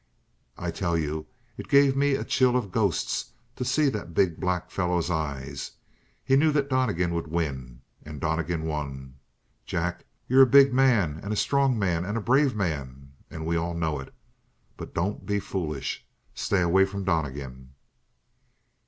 I tell you, it gave me a chill of ghosts to see the big black fellow's eyes. He knew that Donnegan would win. And Donnegan won! Jack, you're a big man and a strong man and a brave man, and we all know it. But don't be foolish. Stay away from Donnegan!"